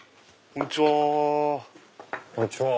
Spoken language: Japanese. こんにちは。